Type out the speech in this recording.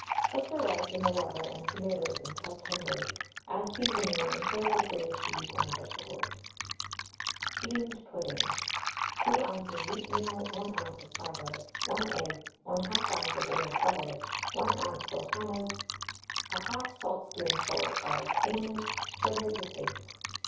Cook the rice in the water and tomatoes until tender, add seasoning, and serve with grated cheese and vegetables. STEAMED PUDDING. 2 oz. wheatmeal, 1 oz. of sago, 1 egg, 1/2 oz. of oiled butter, 1 oz. sultanas, 1/2 saltspoonful of cinnamon, sugar to taste.